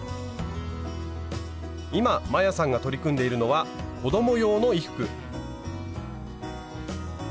今摩耶さんが取り組んでいるのは子供用の衣服。